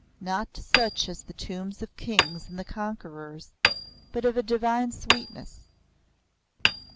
Not such as the tombs of the Kings and the Conquerors, but of a divine sweetness.